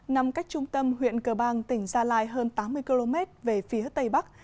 nằm cách trung tâm huyện cờ bang tỉnh gia lai hơn tám mươi km về phía tây bắc